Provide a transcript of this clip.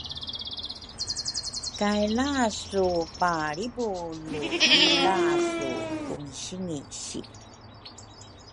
kay lasu palribulu ki lasu kungisingisi.